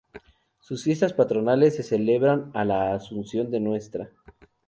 Sus fiestas patronales: Se celebra la Asunción de Ntra.